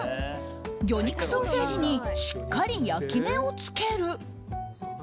魚肉ソーセージにしっかり焼き目をつける。